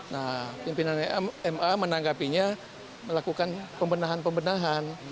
nah pimpinan ma menanggapinya melakukan pembenahan pembenahan